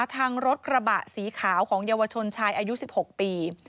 ทางรถกระบะสีขาวของเยาวชนชายอายุ๑๖ปี